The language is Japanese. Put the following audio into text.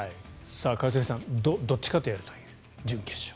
一茂さんどっちかとやるという、準決勝。